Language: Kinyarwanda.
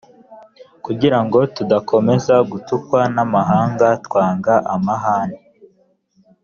kugira ngo tudakomeza gutukwa namahanga twanga amahane.